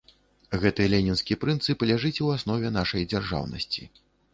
Гэты ленінскі прынцып ляжыць у аснове нашай дзяржаўнасці.